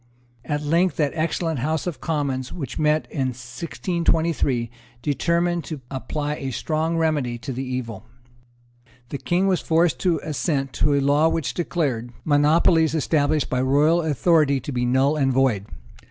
At length that excellent House of Commons which met in 1623 determined to apply a strong remedy to the evil. The King was forced to give his assent to a law which declared monopolies established by royal authority to be null and void.